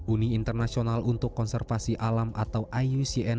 uni internasional untuk konservasi alam atau iucn